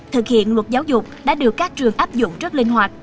thực hiện luật giáo dục đã được các trường áp dụng rất linh hoạt